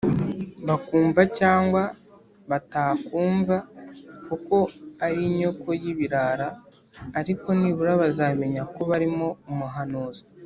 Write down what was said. Bakumva cyangwa batakumva, kuko ari inyoko y’ibirara, ariko nibura bazamenya ko barimo umuhanuzi